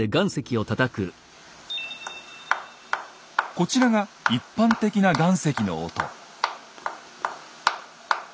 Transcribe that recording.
こちらが一般的な岩石の音。